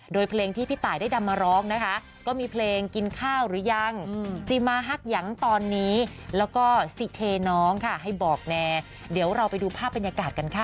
โดยเพลงที่พี่ตายได้ดำมาร้องนะคะก็มีเพลงกินข้าวหรือยังสิมาฮักยังตอนนี้แล้วก็สิเทน้องค่ะให้บอกแนเดี๋ยวเราไปดูภาพบรรยากาศกันค่ะ